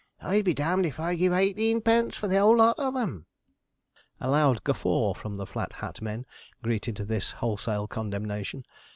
I'll be d d if I'd give eighteenpence for the 'ole lot on 'em.' A loud guffaw from the Flat Hat men greeted this wholesale condemnation.